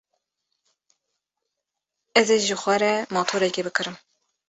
Ez ê ji xwe re motorekî bikirim.